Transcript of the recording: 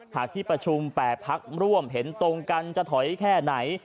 หากที่ประชุม๘พักร่วมเห็นตรงกันจะถอยแค่ไหน